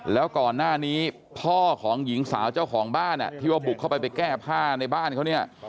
แล้วก่อนหน้านี้พ่อของหญิงสาวเจ้าของบ้านที่ว่าบุกเข้าไปไปแก้ผ้าในบ้านเขาเนี่ย